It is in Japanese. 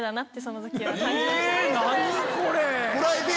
え何これ⁉